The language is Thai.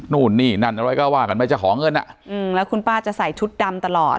นู่นนี่นั่นอะไรก็ว่ากันไปจะขอเงินอ่ะอืมแล้วคุณป้าจะใส่ชุดดำตลอด